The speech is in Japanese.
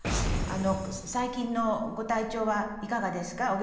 最近のご体調はいかがですか？